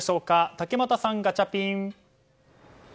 竹俣さん、ガチャピン。